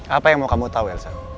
apa yang mau kamu tahu elsa